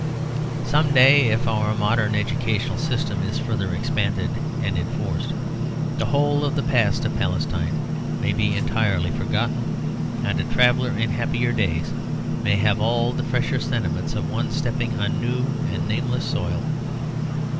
Some day, if our modern educational system is further expanded and enforced, the whole of the past of Palestine may be entirely forgotten; and a traveller in happier days may have all the fresher sentiments of one stepping on a new and nameless soil.